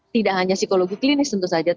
tidak hanya psikologi klinis tentu saja